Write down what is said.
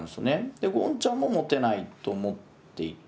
でゴンちゃんも持てないと思っていて。